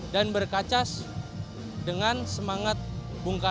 dan berkacas dengan semangat bung karno